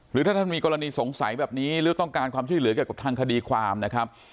หรือถ้าท่านมีกรณีสงสัยแบบนี้หรือต้องการความช่วยเหลือเกี่ยวกับทางคดีความนะครับ